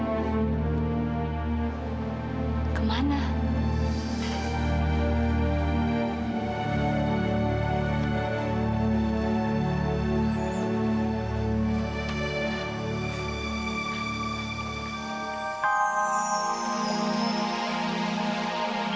aku mau pergi